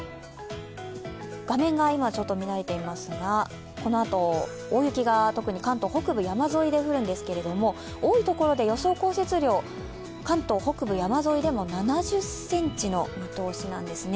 画面が乱れていますが、このあと、大雪が特に関東北部、山沿いで降るんですけれども、多いところで予想降雪量、関東北部山沿いでも７０ｃｍの見通しなんですね。